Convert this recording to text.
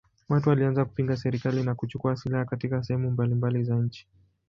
Watu walianza kupinga serikali na kuchukua silaha katika sehemu mbalimbali za nchi.